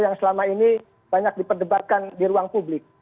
yang selama ini banyak diperdebatkan di ruang publik